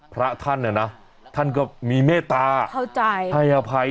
พระท่านเนี่ยนะท่านก็มีเมตตาเข้าใจให้อภัย